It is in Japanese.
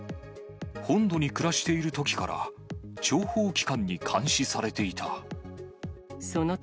本土に暮らしているときから、諜報機関に監視されていた。